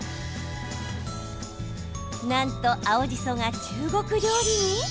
なんと、青じそが中国料理に。